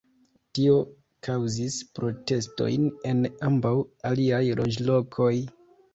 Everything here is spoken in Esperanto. Tio kaŭzis protestojn en ambaŭ aliaj loĝlokoj.